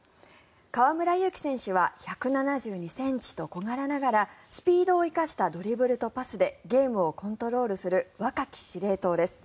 河村勇輝選手は１７２ｃｍと小柄ながらスピードを生かしたドリブルとパスでゲームをコントロールする若き司令塔です。